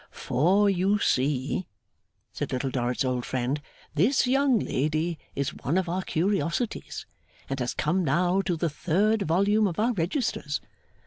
'For, you see,' said Little Dorrit's old friend, 'this young lady is one of our curiosities, and has come now to the third volume of our Registers.